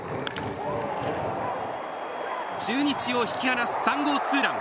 中日を引き離す３号ツーラン。